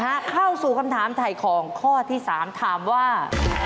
เข้าสู่คำถามถ่ายของข้อที่สามถามว่า